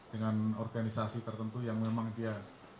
dengan organisasi tertentu yang memang dia